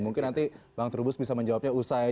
mungkin nanti bang terubus bisa menjawabnya usai